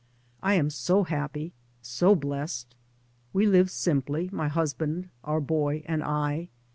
I am so happy, so blessed. We live simply, my husband, our boy, and I.